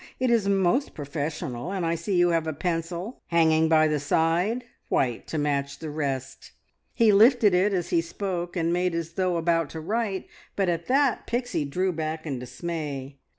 It is most professional, and I see you have a pencil hanging by the side, white, to match the rest." He lifted it as he spoke, and made as though about to write, but at that Pixie drew back in dismay.